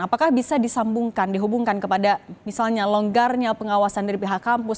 apakah bisa disambungkan dihubungkan kepada misalnya longgarnya pengawasan dari pihak kampus